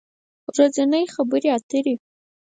ورځنۍ خبری اتری